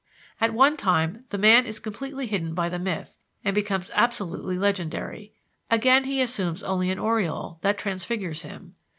" At one time the man is completely hidden by the myth and becomes absolutely legendary; again, he assumes only an aureole that transfigures him.